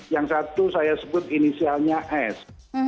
yang satu saya sebut inisialnya s